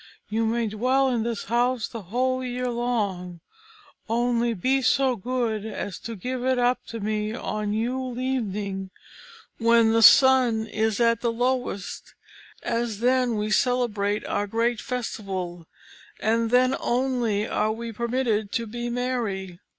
You may dwell in this house the whole year long, only be so good as to give it up to me on Yule evening, when the sun is at the lowest, as then we celebrate our great festival, and then only are we permitted to be merry.